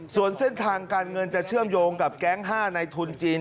ส่วนเส้นทางการเงินจะเชื่อมโยงกับแก๊ง๕ในทุนจีน